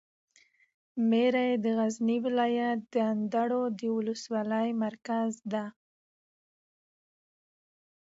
میری د غزني ولایت د اندړو د ولسوالي مرکز ده.